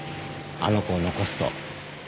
あの子を残すと。